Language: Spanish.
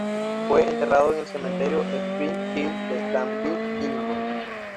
Fue enterrado en el Cementerio Spring Hill de Danville, Illinois.